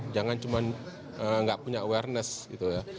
jangan cuma nggak punya awareness gitu ya